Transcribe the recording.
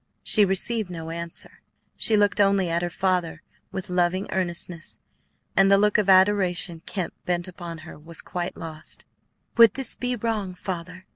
She received no answer. She looked only at her father with loving earnestness, and the look of adoration Kemp bent upon her was quite lost. "Would this be wrong, Father?"